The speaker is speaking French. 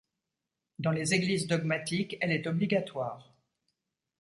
Dans les églises dogmatiques, elle est obligatoire.